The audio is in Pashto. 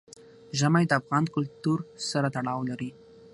ژمی د افغان کلتور سره تړاو لري.